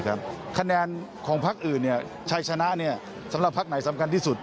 คะแนนของพักอื่นชัยชนะสำหรับพักไหนสำคัญที่สุด